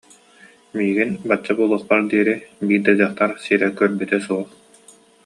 Миигин бачча буолуохпар диэри биир да дьахтар сирэ көрбүтэ суох